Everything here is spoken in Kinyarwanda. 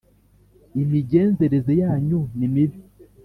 imigenzereze yanyu ni mibi.